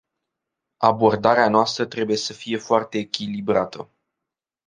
Abordarea noastră trebuie să fie foarte echilibrată.